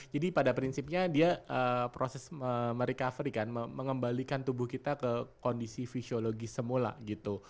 jadi pada prinsipnya dia proses merecovery kan mengembalikan tubuh kita ke kondisi fisiologis semula gitu